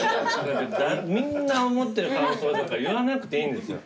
みんな思ってる感想なんか言わなくていいんですよ。